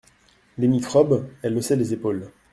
«Les microbes !…» Elle haussait les épaules.